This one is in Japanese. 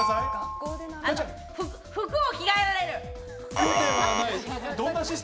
服を着替えられる。